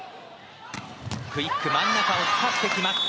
クイック真ん中を使ってきました。